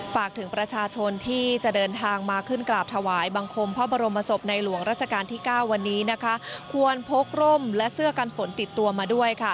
ฝากถึงประชาชนที่จะเดินทางมาขึ้นกราบถวายบังคมพระบรมศพในหลวงราชการที่๙วันนี้นะคะควรพกร่มและเสื้อกันฝนติดตัวมาด้วย